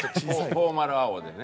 フォーマル「アォッ！」でね。